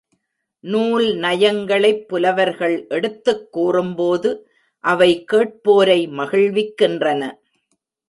நூல் நயங்களைப் புலவர்கள் எடுத்துக் கூறும்போது அவை கேட்போரை மகிழ்விக்கின்றன.